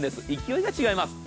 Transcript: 勢いが違います。